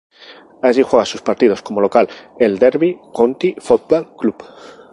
Allí juega sus partidos como local el Derby County Football Club.